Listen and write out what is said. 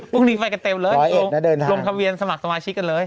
พรุ่งนี้ไปกันเต็มเลยลงทะเบียนสมัครสมาชิกกันเลย